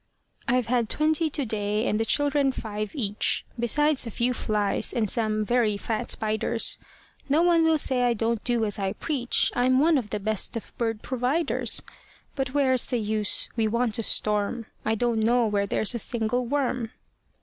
"I've had twenty to day, and the children five each, Besides a few flies, and some very fat spiders: No one will say I don't do as I preach I'm one of the best of bird providers; But where's the use? We want a storm I don't know where there's a single worm."